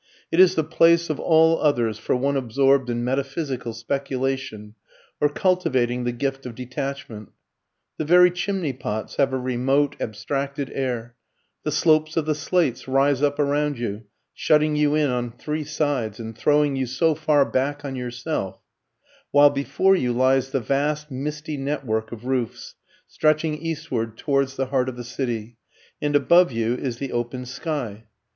It is the place of all others for one absorbed in metaphysical speculation, or cultivating the gift of detachment. The very chimney pots have a remote abstracted air; the slopes of the slates rise up around you, shutting you in on three sides, and throwing you so far back on yourself; while before you lies the vast, misty network of roofs, stretching eastward towards the heart of the city, and above you is the open sky.